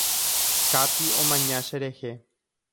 Katie omaña cherehe.